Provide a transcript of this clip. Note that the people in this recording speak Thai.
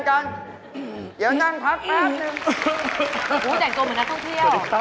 อู๋แต่งตัวเหมือนนักท่องเที่ยวสวัสดีค่ะสวัสดีครับ